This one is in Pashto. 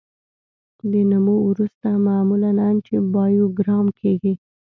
د نمو وروسته معمولا انټي بایوګرام کیږي.